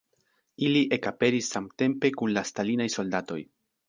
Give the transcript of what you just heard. Ili ekaperis samtempe kun la stalinaj soldatoj.